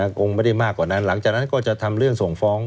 คงไม่ได้มากกว่านั้นหลังจากนั้นก็จะทำเรื่องส่งฟ้อง